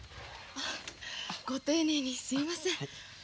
ご丁寧にすいません。